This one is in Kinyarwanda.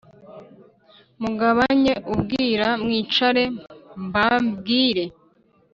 mugabanye ubwira mwicare mbabwire